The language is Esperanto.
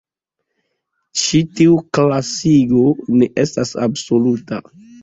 Ĉi tiu klasigo ne estas absoluta.